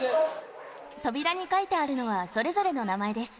扉に書いてあるのは、それぞれの名前です。